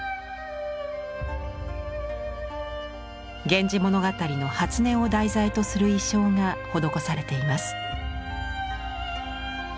「源氏物語」の「初音」を題材とする意匠が施されています。